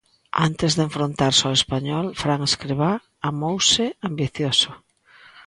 Antes de enfrontarse ao Español, Fran Escribá amouse ambicioso.